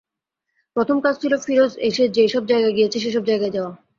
প্রথম কাজ ছিল ফিরোজ এসে যে-সব জায়গায় গিয়েছে, সে-সব জায়গায় যাওয়া।